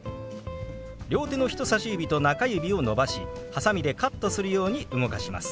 両手の人さし指と中指を伸ばしはさみでカットするように動かします。